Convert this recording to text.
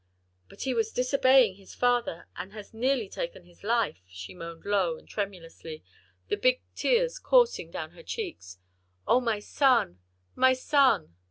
"But he was disobeying his father, and has nearly taken his life," she moaned low and tremulously, the big tears coursing down her cheeks. "Oh, my son, my son!"